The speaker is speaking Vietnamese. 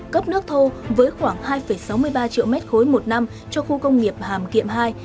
cấp nước thô với khoảng hai sáu mươi ba triệu mét khối một năm cho khu công nghiệp hàm kiệm ii